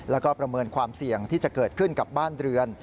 แล้วก็ประเมินความเสี่ยงที่จะเกิดขึ้นกับบ้านเรือน